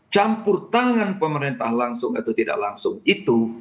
campur tangan pemerintah langsung atau tidak langsung itu